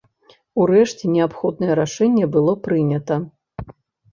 Урэшце неабходнае рашэнне было прынята.